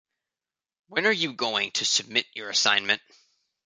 When are you going to submit your assignment?